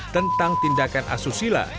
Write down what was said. tentang tindakan asusila